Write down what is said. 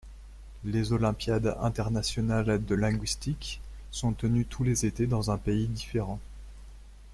Les Olympiades internationales de linguistique sont tenues tous les étés dans un pays différent.